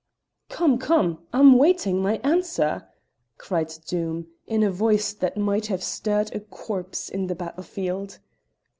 "Come, come, I'm waiting my answer!" cried Doom, in a voice that might have stirred a corps in the battlefield.